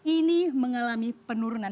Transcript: ini mengalami penurunan